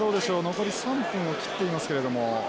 残り３分を切っていますけれども。